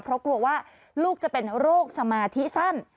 เพราะกลัวว่าลูกจะเป็นโรคสมาธิสั้น